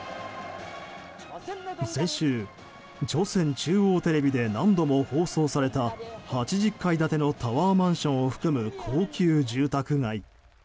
先週、朝鮮中央テレビで何度も放送された８０階建てのタワーマンションを含む高級住宅街。